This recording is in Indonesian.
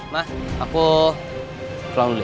ma aku pulang dulu ya